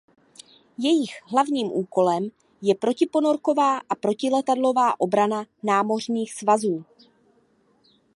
Jejich hlavním úkolem je protiponorková a protiletadlová obrana námořních svazů.